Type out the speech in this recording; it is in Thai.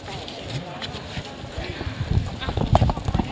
สวัสดีครับ